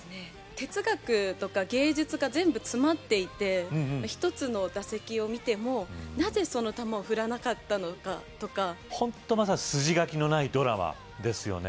哲学とか芸術が全部詰まっていて１つの打席を見てもなぜその球を振らなかったのかとかほんとまさに筋書きのないドラマですよね